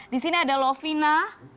di sini ada lovina